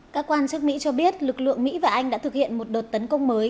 các quan chức mỹ cho biết lực lượng mỹ và anh đã thực hiện một đợt tấn công mới